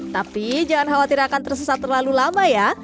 tapi jangan khawatir akan tersesat terlalu lama ya